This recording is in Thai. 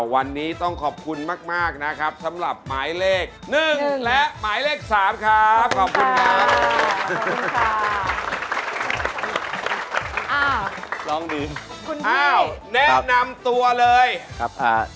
วันนี้ต้องขอบคุณมากนะครับสำหรับหมายเลข๑และหมายเลข๓ครับขอบคุณครับ